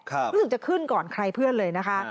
คือจะขึ้นก่อนใครเพื่อนเลยนะคะ